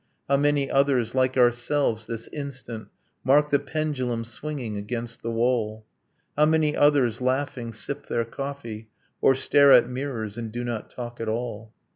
How many others like ourselves, this instant, Mark the pendulum swinging against the wall? How many others, laughing, sip their coffee Or stare at mirrors, and do not talk at all? .